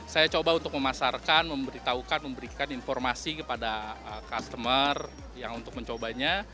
saya coba untuk memasarkan memberitahukan memberikan informasi kepada customer yang untuk mencobanya